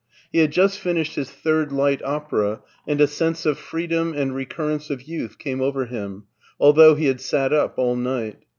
He had just finished his third light opera, and a sense of freedom and recurrence of youth came over him, although he had sat up all night.